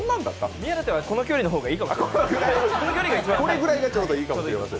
宮舘はこの距離が一番いいかもしれません。